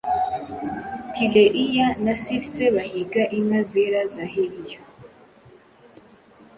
Tireiya na Circe, bahiga inka zera za Helio.